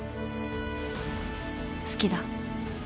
好きだ